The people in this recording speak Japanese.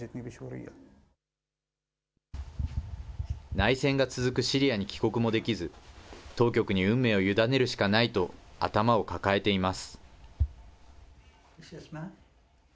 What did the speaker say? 内戦が続くシリアに帰国もできず、当局に運命を委ねるしかないと頭を抱えています。